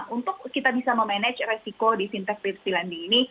untuk kita bisa memanage resiko di fintech p dua p lending ini